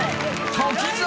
滝沢